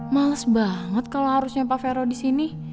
males banget kalau harusnya pak fero disini